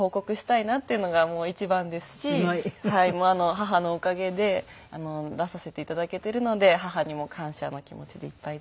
母のおかげで出させて頂けているので母にも感謝の気持ちでいっぱいです。